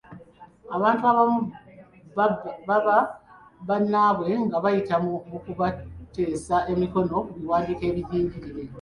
Abantu abamu babba bannaabwe nga bayita mu kubateesa emikono ku biwandiiko ebijingirire.